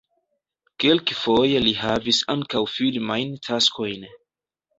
Kelkfoje li havis ankaŭ filmajn taskojn.